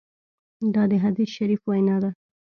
دا د حدیث شریف وینا ده.